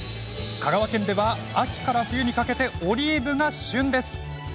香川県では秋から冬にかけてオリーブが旬です。